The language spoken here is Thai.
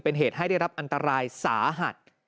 เป็นเหตุให้ได้รับอันตรายสาหัส